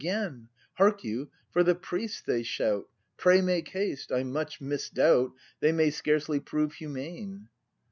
Again, Hark you, for "the Priest" they shout, Pray make haste! I much misdoubt. They may scarcely prove humane!